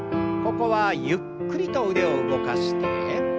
ここはゆっくりと腕を動かして。